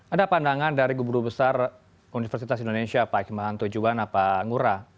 ada pandangan dari guru besar universitas indonesia pak himmahanto juwana pak ngurah